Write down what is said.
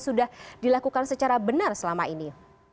sudah dilakukan secara benar selama ini